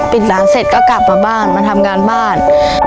ปิดร้านเสร็จก็กลับมาบ้านมาทำงานบ้าน